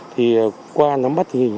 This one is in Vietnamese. thì qua nắm bắt hình